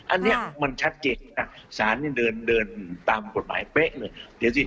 อันนี้มันชัดเจนสารนี้เดินตามกฎหมายเป๊ะเลย